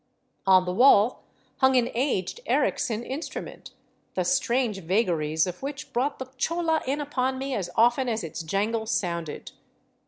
On the wall hung an aged Errickson instrument, the strange vagaries of which brought the chola in upon me as often as its jangle sounded.